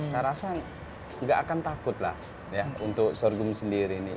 saya rasa nggak akan takut lah ya untuk sorghum sendiri ini